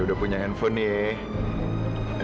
udah punya handphone nih